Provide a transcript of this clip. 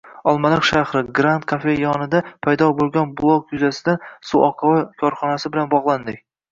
Olmaliq shahri, ”Grant“ kafesi yonida paydo boʻlgan buloq yuzasidan ”Suvoqova“ korxonasi bilan bogʻlandik.